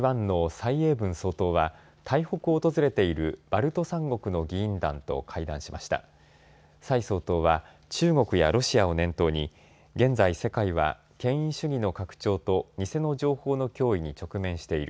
蔡総統は中国やロシアを念頭に現在、世界は権威主義の拡張と偽の情報の脅威に直面している。